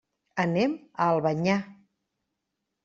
Anem a Albanyà.